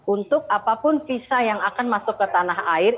untuk apapun visa yang akan masuk ke tanah air